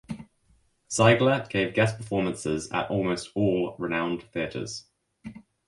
Ziegler gave guest performances at almost all renowned theatres.